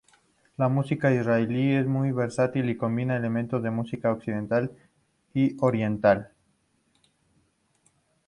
La música israelí es muy versátil y combina elementos de música occidental y oriental.